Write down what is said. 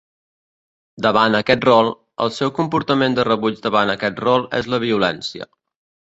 Davant aquest rol, el seu comportament de rebuig davant aquest rol és la violència.